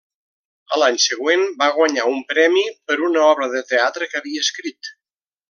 A l’any següent va guanyar un premi per una obra de teatre que havia escrit.